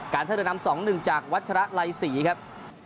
การเทรดนำ๒๑จากวัดชะระไลศรีครับ